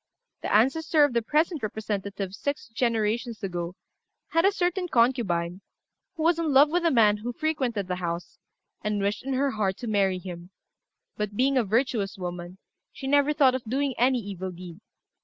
The ancestor of the present representative, six generations ago, had a certain concubine, who was in love with a man who frequented the house, and wished in her heart to marry him; but, being a virtuous woman, she never thought of doing any evil deed.